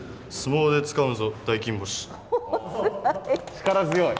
力強い。